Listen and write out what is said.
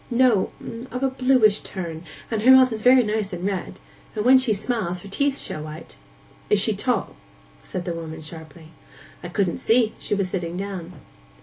'No—of a bluish turn, and her mouth is very nice and red; and when she smiles, her teeth show white.' 'Is she tall?' said the woman sharply. 'I couldn't see. She was sitting down.